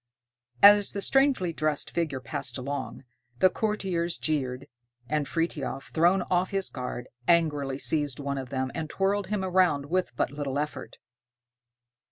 As the strangely dressed figure passed along, the courtiers jeered, and Frithiof, thrown off his guard, angrily seized one of them, and twirled him round with but little effort.